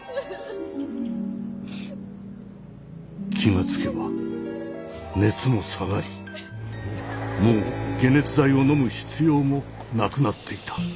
気が付けば熱も下がりもう解熱剤をのむ必要もなくなっていた。